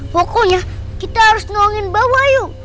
pokoknya kita harus nolongin mbak wayu